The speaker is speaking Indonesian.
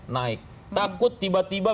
naik takut tiba tiba